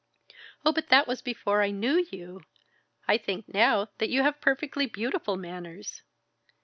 "Oh, but that was before I knew you! I think now that you have perfectly beautiful manners."